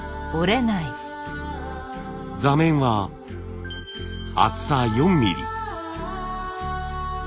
座面は厚さ４ミリ。